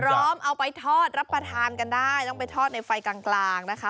เอาไปทอดรับประทานกันได้ต้องไปทอดในไฟกลางนะคะ